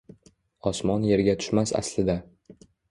osmon yerga tushmas aslida